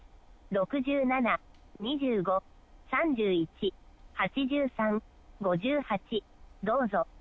６７、２５、３１、８３、５８、どうぞ。